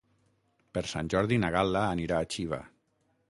Per Sant Jordi na Gal·la anirà a Xiva.